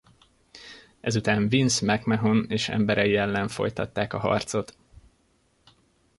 Ezután Vince McMahon és emberei ellen folytatták a harcot.